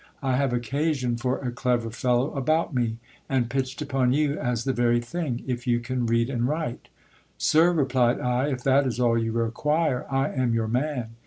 I have occasion for a clever fellow about me, and pitched upon you as the very thing, if you can read and write. Sir, replied I, if that is all you require, I am your man.